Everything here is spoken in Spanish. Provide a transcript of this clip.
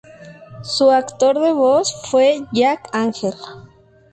Su actor de voz fue Jack Angel.